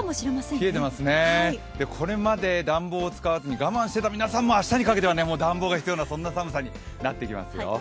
冷えてますね、これまで暖房を使わずに我慢してた皆さんも明日にかけては暖房が必要な寒さになってきますよ。